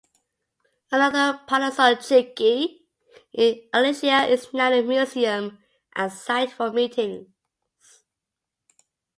Another Palazzo Chigi in Ariccia is now a museum and site for meetings.